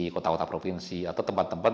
kota kota provinsi atau tempat tempat